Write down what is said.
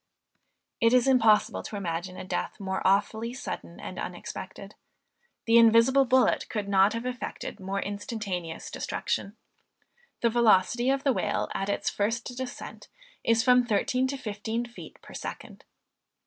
It is impossible to imagine a death more awfully sudden and unexpected. The invisible bullet could not have effected more instantaneous destruction. The velocity of the whale at its first descent is from thirteen to fifteen feet per second.